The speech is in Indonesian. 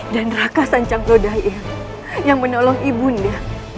dan raka sancang lodaya yang menolong ibunda